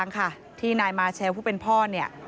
นั่งรถมากับสถาบันนิติเวทวิทยา